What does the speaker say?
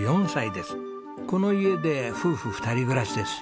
この家で夫婦２人暮らしです。